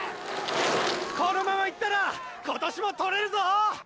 このまま行ったら今年も獲れるぞー！！